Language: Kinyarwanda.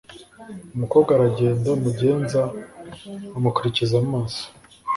Umukobwa aragenda mugenza amukurikiza amaso